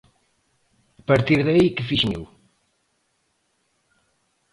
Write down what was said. A partir de aí, que fixen eu?